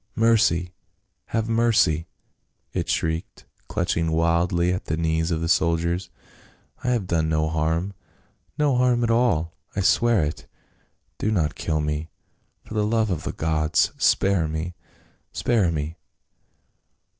" Mercy ! have mercy !" it shrieked, clutching wildly at the knees of the soldiers. " I have done no harm — no harm at all — I swear it ! Do not kill me ! For the love of the gods, spare me ! spare me